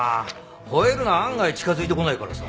ほえるのは案外近づいてこないからさ。